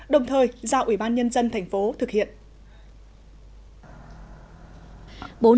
đồng thời giao ủy ban nhân dân thành phố thực hiện